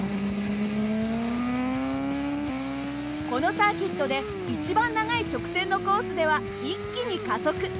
このサーキットで一番長い直線のコースでは一気に加速。